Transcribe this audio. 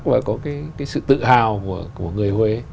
và có cái sự tự hào của người huế